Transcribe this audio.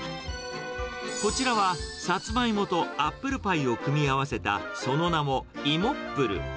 こちらは、サツマイモとアップルパイを組み合わせたその名も芋ップル。